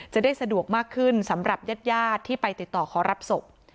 จะได้สะดวกมากขึ้นสำหรับญาติญาติที่ไปติดต่อขอรับศพ